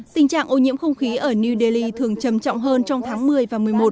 tình trạng ô nhiễm không khí ở new delhi thường trầm trọng hơn trong tháng một mươi và một mươi một